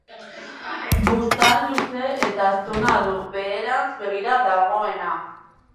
Buztan luze eta astuna du, beherantz begira dagoena.